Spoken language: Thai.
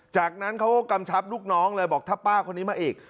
จากนั้นเขาก็กำชับลูกน้องเลยบอกถ้าป้าคนนี้มาอีก